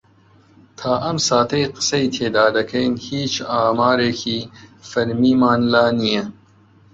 تا ئەم ساتەی قسەی تێدا دەکەین هیچ ئامارێکی فەرمیمان لا نییە.